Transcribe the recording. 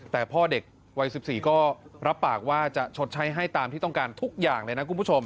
แต่พ่อเด็กวัย๑๔ก็รับปากว่าจะชดใช้ให้ตามที่ต้องการทุกอย่างเลยนะคุณผู้ชม